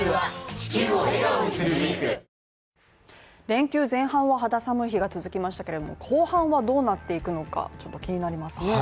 連休前半は肌寒い日が続きましたけれども後半はどうなっていくのか、ちょっと気になりますね。